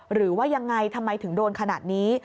หรือว่ายังไงทำไมถึงโดนขนาดนี้